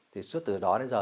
thì suốt từ đó đến giờ